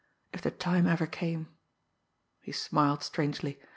If the time ever came! He smiled strangely.